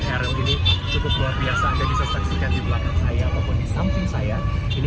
ini cukup luar biasa bisa saksikan di belakang saya apapun di samping saya ini